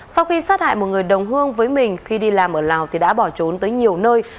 sau khi sát hại một người đồng hương với mình khi đi làm ở lào thì đã bỏ trốn tới nhiều nơi